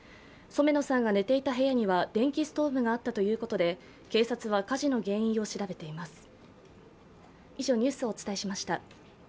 染野さんが寝ていた部屋には電気ストーブがあったということで警察は火事の原因を調べています。